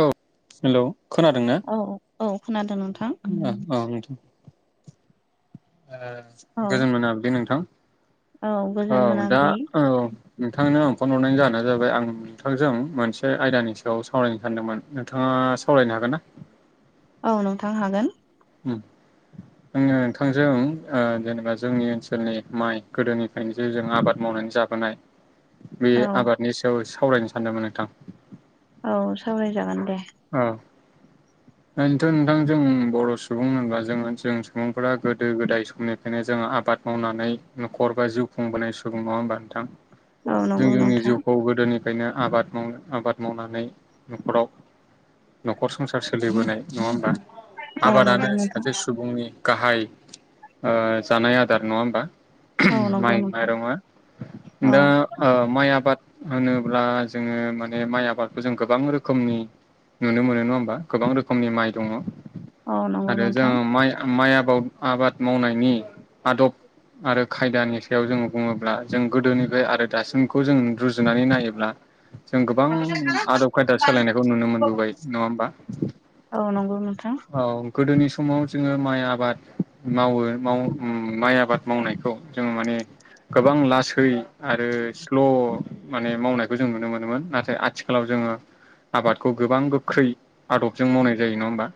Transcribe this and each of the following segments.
औ हेलौ खोनादों ना? औ औ खोनादों नोंथां। [unintelligible] अ नोंथां औ गोजोन मोनाबिलि नोंथां‌। औ गोजोन दा मोनाबिलि औ नोंथांनो आं फन हरनाय जाहोना जाबाय आं नोंथांजों मोनसे आयदानि सायाव सावरायनो सानदोंमोन नोंथाङा सावरायनो हागोन ना। औ नोंथां हागोन। उम आङो नोंथांजों जेनेबा जोंनि ओनसोलनि माइ गोदोनिफ्रायनो जे जों आबाद मावनानै जाबोनाय बे औ आबादनि सायाव सावरायनो सानदोंमोन नोंथां। औ सावरायजागोन दे। औ। ओरैनोथ' नोंथां जों बर' सुबुं होनबा जोङो जों सुबुंफोरा गोदो -गोदाय समनिफ्रायनो जोङो आबाद मावनानै न'खर बा जिउ खुंबोनाय सुबुंङा होनबा नोंथां। औ जों नंगौ जोंनि नोंथां जिउखौ गोदोनिफ्रायनो आबाद मावनो आबाद मावनानै न'खराव न'खर संसार सोलिबोनाय नङा होमबा औ नंगौ आबादानो नोंथां सासे सुबुंनि गाहाय ओ जानाय आदार नङा होमबा औ नंगौ माइ नोंथां माइरङा औ दा माइ आबाद होनोब्ला जोङो माने माइ आबादखौ जों गोबां रोखोमनि नुनो मोनो नङा होमबा गोबां रोखोमनि माइ दङ औ नंगौ आरो जों नोंथां माइ माइ आबाद आबाद मावनायनि आदब आरो खायदानि सायाव जोङो बुङोब्ला जों गोदोनिफ्राय आरो दासिमखौ जों रुजुनानै नायोब्ला जों गोबां आदब खायदा सोलायनायखौ नुनो मोनो। नङा होनबा। औ नंगौ नोंथां औ गोदोनि समाव जोङो माइ आबाद मावो माइ आबाद मावनायखौ जोङो माने गोबां लासै आरो स्ल' माने मावनायखौ जों नुनो मोनोमोन नाथाय आथिखालाव जोङो आबाद गोबां गोख्रै आदबजों मावनाय जायो नङा होमबा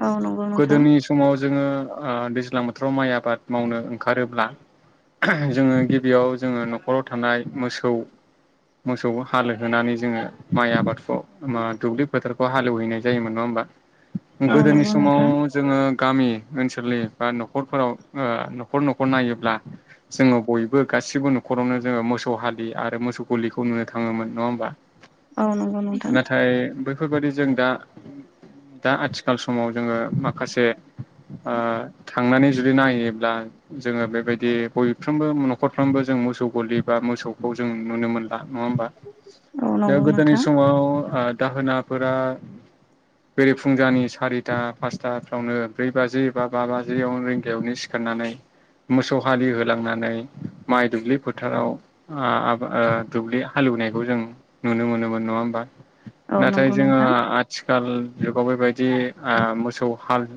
औ नंगौ नोंथां औ नंगौ नोंथां गोदोनि सम समाव जोङो ओ दैज्लां बोथोराव माइ आबाद मावनो ओंखारोब्ला जोङो गिबियाव जोङो न'खराव थानाय मोसौ मोसौखौ हालोहोनानै जोङो माइ आबादखौ मा दुब्लि फोथारखौ हालेवहैनाय जायोमोन नङा होमबा औ गोदोनि नंगौ समाव नोंथां जोङो गामि ओनसोलनि बा न'खरफोराव ओ न'खर न'खर नायोब्ला जोङो बयबो गासिबो न'खरावनो जोङो मोसौ हालि आरो मोसौ गलिखौ नुनो थाङोमोन नङा होमबा। औ नाथाय बैफोरबादि जों दा दा आथिखाल समाव जोङो माखासे ओ थांनानै जुदि नायोब्ला जोङो बेबायदि बयफ्रोमबो न'खरफ्रामबो जों मोसौ गलि बा मोसौखौ जों नुनो मोनो नङा होमबा दा नंगौ गोदोनि नोंथां समाव ओ दाहोनाफोरा [inaudible] बेरि फुंजानि सारिथा पासथाफ्रावनो ब्रै बाजि बा बा बाजियाव रिंगायावनो सिखारनानै मोसौ हालि होलांनानै माइ दुब्लि फोथाराव आ आबा दुब्लि हालेवनायखौ जों नुनो मोनोमोन नङा होमबा औ नाथाय नंगौ जोङो नोंथां आथिखाल जुगाव बेबायदि ओ मोसौ हाल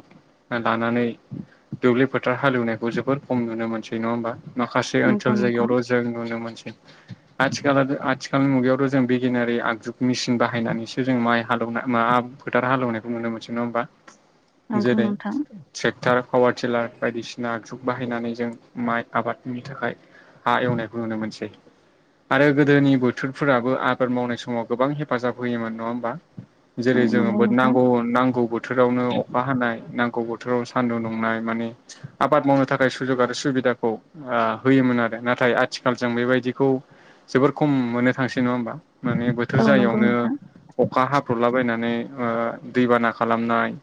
ना दानानै दुब्लि फोथार हालेवनायखौ जोबोर खम नुनो मोनसै नङा होमबा माखासे नंगौ ओनसोल नोंथां जायगायावल' जों नुनो मोनसै आथि आथिखालनि मुगायावथ' जों बिगियानारि आगजुग मेसिन बाहायनानै बिसोर जों माइ हालेवनाय मा फोथार हालेवनायखौ नुनो मोनसै नङा होमबा नंगौ जेरै नोंथां ट्रेक्टर पावार टिलार बायदिसिना जुग बाहायनानै जों माइ आबादनि थाखाय हा एवनायखौ नुनो मोनसै। आरो गोदोनि बोथोरफोराबो आबाद मावनाय समाव गोबां हेफाजाब होयोमोन। नङा होमबा औ जेरै नंगौ जोङो नोंथां नांगौ नांगौ बोथोरावनो अखा हानाय नांगौ बोथोराव सान्दुं दुंनाय माने आबाद मावनो थाखाय सुजुग आरो सुबिदाखौ होयोमोन आरो नाथाय आथिखाल जों बेबायदिखौ जोबोर खम मोननो थांसै नङा होमबा। माने औ बोथोर नंगौ जायैयावनो नोंथां अखा हाब्र'लाबायनानै ओ दैबाना खालामनाय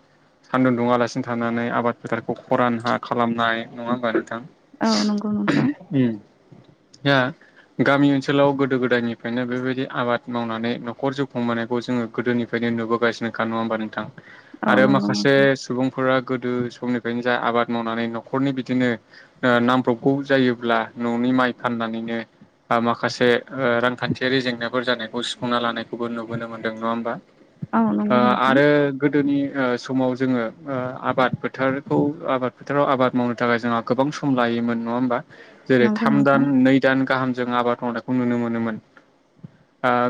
सान्दुं दुङालासिनो थानानै आबाद फोथारखौ खरान हा खालामनाय नङा होमबा नोंथां औ नंगौ नोंथां ओहुम ओम या गामि ओनसोलाव गोदो गोदायनिफ्रायनो बेबायदि आबाद मावनानै न'खर जिउखांबोनाय खौ जोङो गोदोनिफ्राय नुबोगासिनो नङा होनबा नोंथां औ आरो नंगौ नोंथां माखासे सुबुं फोरा गोदो समनिफ्रायनो जा आबाद मावनानै न'खरनि बिदिनो ओ नांफ्रबगौ जायोब्ला न'नि माइ फाननानैनो बा माखासे ओ रांखान्थियारि जेंनाफोर जानायखौ सुफुंना लानायखौबो नुब बोनो मोनदों नङा होमबा औ ओ नंगौ नोंथां आरो गोदोनि ओ समाव जोङो आबाद फोथारखौ आबाद फोथाराव आबाद मावनो थाखाय जोंहा गोबां सम लायोमोन नङा होमबा जेरै नंगौ थाम नोंथां दान नै दान गाहामजों आबाद मावनायखौ नुनो मोनोमोन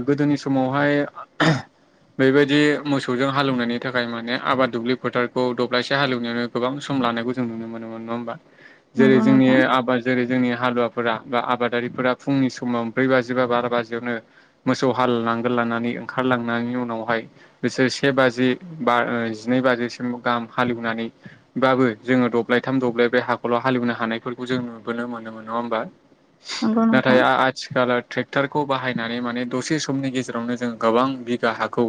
गोदोनि समावहाय ओहुम बेबायदि मोसौजों हालेवनायनि थाखाय माने आबाद दुब्लि फोथारखौ दब्लायसे हालेवनायानो गोबां सम लानायखौ जों नुनो मोनोमोन नङा होमबा जेरै नंगौ जोंनि नोंथां आबाद जेरै जोंनि हालुवाफोरा बा आबादारिफोरा फुंनि समाव ब्रै बाजि बा बार' बाजियावनो मोसौ हाल नांगोल लानानै ओंखारलांनायनि उनावहाय बिसोर से बाजि बा जिनै बाजिसिम गाहाम हालेवनानै बाबो जोङो दब्लायथाम दब्लाय बे हाखल' हालेवनो हानायफोरखौ जों नुबोनो मोनोमो नङा होमबा नंगौ नाथाय नोंथां आ आथिखालाव ट्रेक्टरखौ बाहायनानै माने दसे समनि गेजेरावनो जों गोबां बिगा हाखौ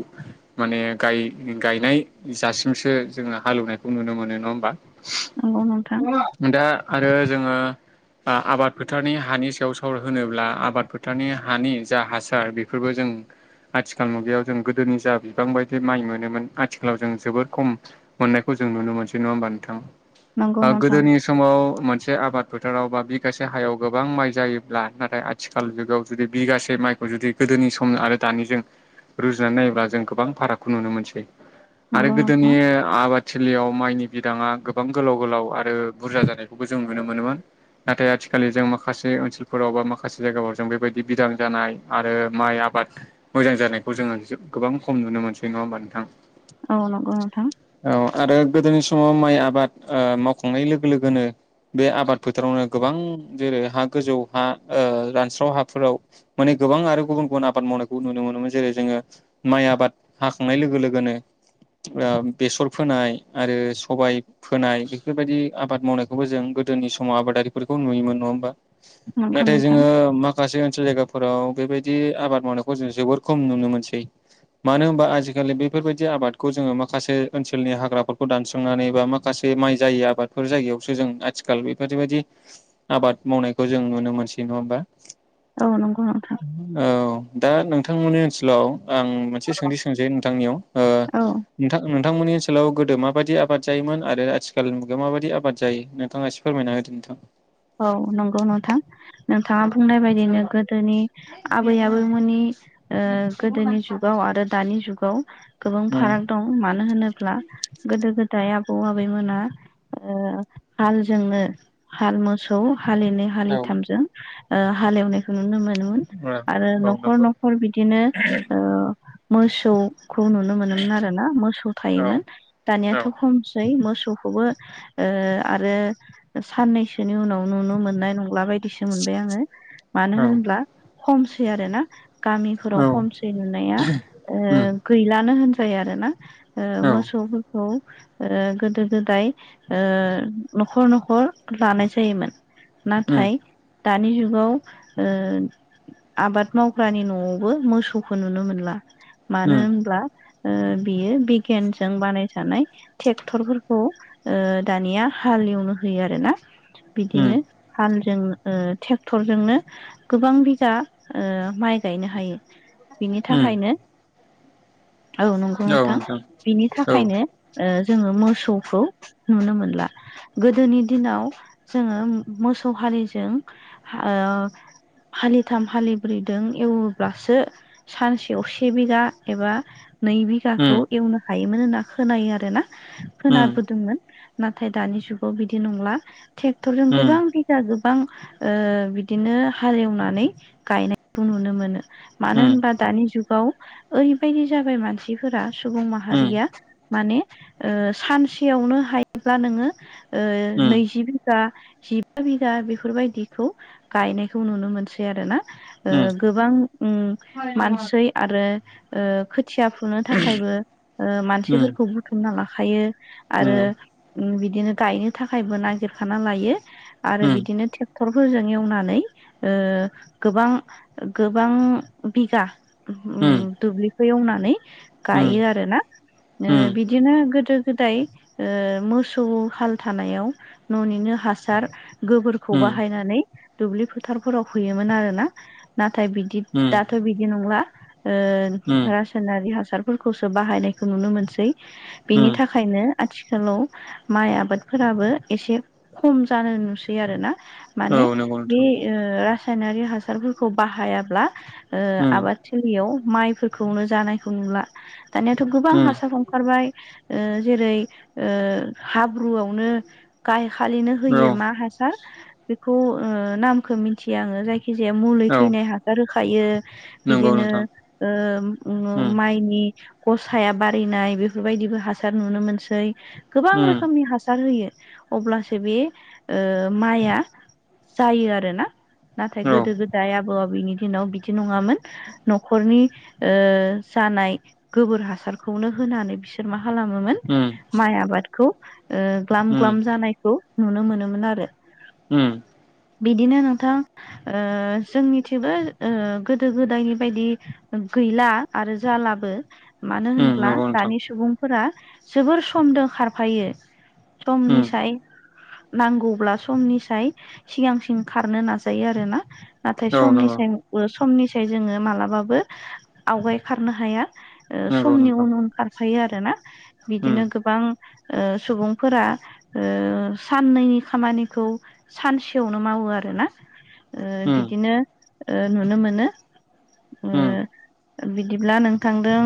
माने गाय गायनाय जासिमसो जोङो हालेवनायखौ नुनो मोनो नङा होमबा नोंगौ नोंथां दा आरो जोङो आबाद फोथारनि हानि सायाव साव होनोब्ला आबाद फोथारनि हानि जा हासार बेफोरबो जों आथिखाल मुगायाव जों गोदोनि जा बिबां बायदि माइ मोनोमोन आथिखालाव जों जोबोद खम मोननायखौ जों नुनो मोनसै नङा होमबा नोंथां नंगौ ओ नोंथां गोदोनि समाव मोनसे आबाद फोथाराव बा बिगासे हायाव गोबां माइ जायोब्ला नाथाय आ थिखाल जुगाव जुदि बिगासे माइखौ जुदि गोदोनि सम आरो दानिजों रुजुनानै नायोब्ला जों गोबां फारागखौ नुनो मोनसै आरो नंगौ गोदोनि नोंथां आबाद थिलियाव माइनि बिदाङा गोबां गोलाव गोलाव आरो बुरजा जानायखौबो जों नुनो मोनोमोन नाथाय आथिखाललि जों माखासे ओनसोलफोराव बा माखासे जायगाफोराव जों बेबायदि बिदां जानाय आरो माइ आबाद मोजां जानायखौ जोङो गोबां खम नुनो मोनसै नङा होमबा नोंथां औ नंगौ नोंथां औ आरो गोदोनि समाव माइ आबाद ओ मावखांनाय लोगो लोगोनो बे आबाद फोथारावनो गोबां जेरै हा गोजौ हा ओ रानस्राव हाफोराव माने गोबां आरो गुबुन गुबुन आबाद मावनाय नुनो मोनोमोन जेरै जोङो माइ आबाद हाखांनाय लोगो लोगोनो ओ बेसर फोनाय आरो सबाय फोनाय बेफोरबायदि आबाद मावनायखौबो जों गोदोनि समाव आबादारिफोरखौ नुयोमोन नङा होमबा? नंगौ नाथाय नोंथां जोङो माखासे ओनसोल जायगाफोराव बेबायदि आबाद मावनायखौ जोबोर खम नुनो मोनसै। मानो होनबा आजिखालि बेफोरबायदि आबादखौ जोङो माखासे ओनसोलनि हाग्राफोरखौ दानस्रांनानै बा मा माखासे माइ जायै आबादफोर जायगायावसो जों आथिखाल बेफोरबायदि आबाद मावनायखौ जों नुनो मोनसै नङा होमबा औ नंगौ नोंथां औ दा नोंथांमोननि ओनसोलाव आं मोनसे सोंथि सोंसै नोंथांनियाव औ औ नोंथां नोंथांमोननि ओनसोलाव गोदो माबायदि आबाद जायोमोन आरो आथिखालनि मुगायाव माबायदि आबाद जायो नोंथाङा इस फोरमायना होदो नोंथां। औ नंगौ नोंथां। नोंथाङा बुंनाय बायदिनो गोदोनि आबै आबौमोननि ओ गोदोनि जुगाव आरो दानि जुगाव गोबां उम फाराग दं मानो होनोब्ला गोदो गोदाय आबौ आबैमोना ओ हालजोंनो हाल मोस सौ हालिनै हालिथामजों हालेवनायखौ नुनो मोनोमोन। औ आरो औ न'खर नंगौ न'खर बिदिनो ओ मोसौ खौ नुनो मोनोमोन आरोना मोसौ औ थायोमोन दानियाथ' औ खमसै मोसौखौबो ओ आरो साननैसो बिसोरनि उनाव नुनो मोननाय नंला बायदिसो मोनबाय आङो मानो औ होनब्ला खमसै आरो ना गामिफोराव औ खमसै नुनाया ओ उम गैलानो होनजायो आरो ना ओ औ मोसौफो ओ गोदो गोदाय ओ न'खर न'खर ला जायोमोन उम नाथाय दानि जुगाव ओ आबाद मावग्रानि न'आवबो मोसौखौ नुनो मोनला मानो उम होनब्ला बियो बिगियानजों बानायजानाय ट्रेक्टरफोरखौ ओ दानिया हालेवनो होयो आरोना। उम बिदिनो हालजों ओ ट्रेक्टरजोंनो गोबां बिगा ओ माइ गायनो हायो बिनि उम थाखायनो औ नंगौ नोंथां बिनि औ थाखायनो ओ जोङो मोसौखौ नुनो मोनला गोदोनि दिनाव जोङो मोसौ हालिजों ओ हालिथाम हालिब्रैदों एवोब्लासो सानसेयाव से बिघा एबा नै बि औ गाखौ एवनो हायोमोन होनना खोनायो आरो ना खोनाबोदोंमोन। नाथाय दानि जुगाव बिदि नंला ट्रेक्टरजों गोबां गोबां ओ बिदिनो हालेवनानै गायनायखौ नुनो मोनो। मानो होनबा दानि जुगाव ओरैबायदि जाबाय मानसिफोरा सुबुं माहारिया नंगौ माने ओ सानसेयावनो हायोब्ला नोङो ओ नैजि बि गा जिबा बिघा बेफोरबायदिखौ गायनायखौ नुनो मोनसै आरो ना। ओ गोबां उम मानसै आरो ओ थिया फुनो थाखायबो मानसिफोरखौ बुथुमना लाखायो आरो बिदिनो गायनो थाखायबो नागिरखाना लायो आरो बिदिनो टे क्टरफोरजों एवनानै ओ गोबां गोबां बिगा उम होम दुब्लिखौ एवनानै गाइयो आरो ना ओ बिदि बिदिनो गोदो गोदाय ओ मोसौ हाल थानायाव न'निनो हासार गोबोरखौ बाहायनानै दुब्लि फोथारफोराव फोयोमोन आरोना नाथाय बिदि नोंथां दाथ' बिदि नंला। ओ रासायनारि हासारफोरखौसो बाहायनायखौ नुनो मोनसै बिनि थाखाय थाखायनो आथिखालाव माइ आबादफोराबो एसे खम जानाय नुसै आरोना माने उम बे ओ रासायनारि हासारफोरखौ बाहायाब्ला ओ आबाद लियाव माइफोरखौनो जानायखौ नुला दानियाथ' गोबां हा उम [unintelligible] ओंखारबाय ओ जेरै ओ हाब्रुआवनो गायखालिनो औ होयो मा हासार बेखौ नामखो मिथिया आङो जाय खि जाया मुलै औ थैनाय हासार होखायो। नंगौ नोंथां बिदिनो ओ उम माइनि गसाया बारिनाय बेफोरबायदिबो हासार नुनो मोनसै। गोबां उम रोखोमनि हासार होयो। अब्लासो बे ओ माइआ जायो आरोना नाथाय औ गोदो गोद जाय आबौ आबैनि दिनाव बिदि नङामोन न'खरनि ओ जानाय गोबोर हासारखौनो होनानै बिसोर मा खालामोमोन उम माइ आबादखौ ओ ग्लाम उम ग्लाम जानायखौ नुनो मोनोमोन आरो। उम बिदिनो नोंथां ओ जोंनिथिबो ओ गोदो गोदायनि बायदि गैला। आरो जालाबो। मानो उम होनब्ला नंगौ नोंथां दानि सुबुंफोरा जोबोर समदों खारफायो समनि उम फ्राय नांगौब्ला समनिसाय सिगांसिन खारनो नाजायो आरोना। नाथाय औ नंगौ समनिसाय ओ समनिसाय जोङो मालाबाबो आवगाय खारनो हाया। ओ नंगौ समनि नोंथां उन उन खारफायो आरोना उम बिदिनो गोबां ओ सुबुंफोरा ओ साननैनि खामानिखौ सानसेयावनो मावो आरोना। ओ उम बिदिनो ओ नुनो मोनो उम ओ बिदिब्ला नोंथांदों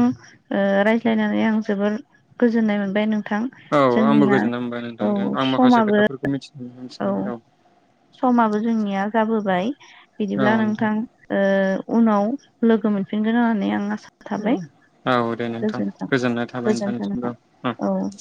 ओ रायज्लायनानै आं जोबोर गोजोननाय मोनबाय नोंथां। औ आंबो जोंनिया गोजोननाय मोनबाय औ नोंथांजों आं माखासे समाबो खोथाफोरखौ मिथि-मिथिनानै औ। समाबो जोंनिया जाबोबाय बिदिब्ला नोंथां ओ उनाव लोगो मोनफिनगोन होननानै आं आसा थाबाय औ दे नोंथां गोजोनथों गोजोननाय थाबाय गोजोनथों नोंथांनिसिमबो नोंथां औ।